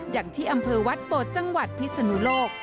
อย่างที่อำเภอวัดโบดจังหวัดพิศนุโลก